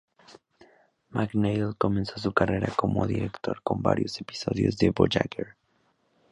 McNeill comenzó su carrera como director con varios episodios de "Voyager".